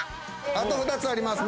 あと２つあります。